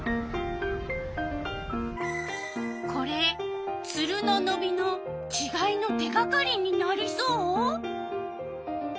これツルののびのちがいの手がかりになりそう？